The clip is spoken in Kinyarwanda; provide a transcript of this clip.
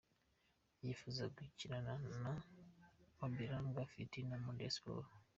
Yifuza gukinana na Ombolenga Fitina muri Rayon Sports.